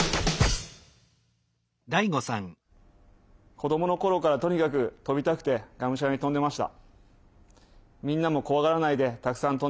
子どものころからとにかくとびたくてがむしゃらにとんでました。